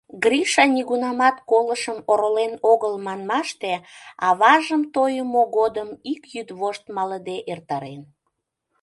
Гриша нигунамат колышым оролен огыл манмаште, аважым тойымо годым ик йӱдвошт малыде эртарен.